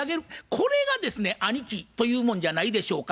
これがですね兄貴というもんじゃないでしょうか。